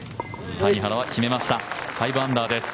谷原は決めました５アンダーです。